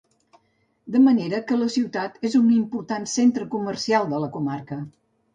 De manera que la ciutat és un important centre comercial de la comarca.